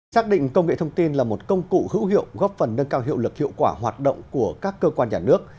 xác định công nghệ thông tin là một công cụ hữu hiệu góp phần nâng cao hiệu lực hiệu quả hoạt động của các cơ quan nhà nước